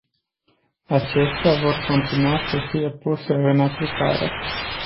Acestea vor continua să fie puse în aplicare.